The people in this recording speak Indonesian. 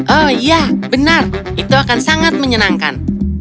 oh iya benar itu akan sangat menyenangkan